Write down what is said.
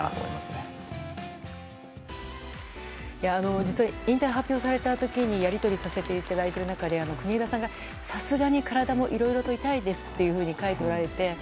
実は、引退を発表された時にやり取りさせていただいた中で国枝さんが、さすがに体もいろいろと痛いですと書いておられて。